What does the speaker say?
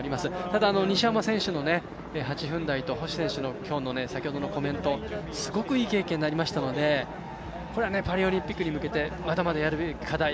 ただ、西山選手の８分台と今日の先ほどのコメントすごくいい経験になりましたのでこれはパリオリンピックに向けてまだまだやるべき課題